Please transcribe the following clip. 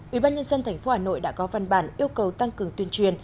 ủy ban nhân dân tp hà nội đã có văn bản yêu cầu tăng cường tuyên truyền